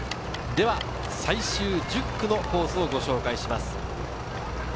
最終１０区のコースをご紹介します。